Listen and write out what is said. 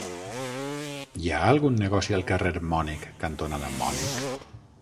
Hi ha algun negoci al carrer Mònec cantonada Mònec?